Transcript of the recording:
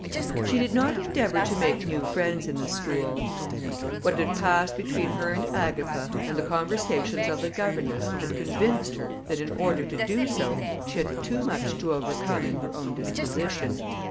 She did not endeavour to make new friends in the school. What had passed between her and Agatha, and the conversations of the governess, had convinced her, that in order to do so, she had too much to overcome in her own disposition.